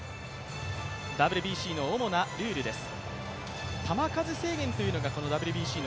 ＷＢＣの主なルールです。